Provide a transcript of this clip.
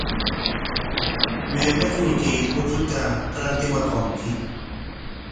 ¿Maypikmi kay uchuta rantimurqunki?